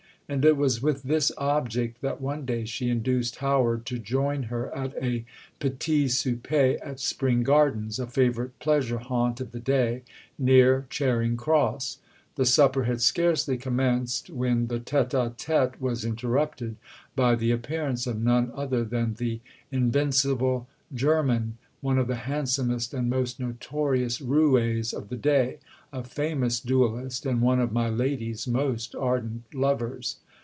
And it was with this object that one day she induced Howard to join her at a petit souper at Spring Gardens, a favourite pleasure haunt of the day, near Charing Cross. The supper had scarcely commenced when the tête à tête was interrupted by the appearance of none other than the "invincible Jermyn," one of the handsomest and most notorious roués of the day, a famous duellist, and one of my lady's most ardent lovers.